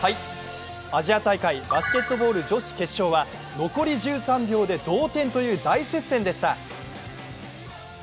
アジア大会バスケットボール女子決勝は残り１３秒で同点という大接戦でした。